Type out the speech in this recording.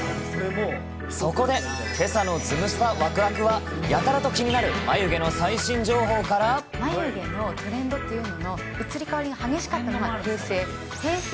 そこで、けさのズムサタわくわくは、やたらと気になる眉毛の最新情報眉毛のトレンドというのの、移り変わりが激しかったのが平成。